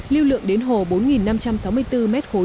lưu lượng đến hồ bốn nghìn năm trăm sáu mươi bốn m khối